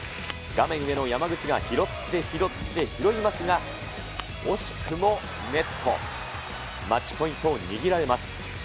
画面上の山口が拾って拾って拾いますが、惜しくもねっとマッチポイントを握られます。